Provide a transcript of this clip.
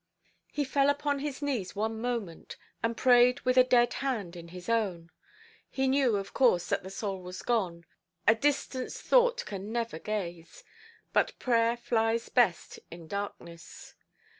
He fell upon his knees one moment, and prayed with a dead hand in his own. He knew, of course, that the soul was gone, a distance thought can never gaze; but prayer flies best in darkness.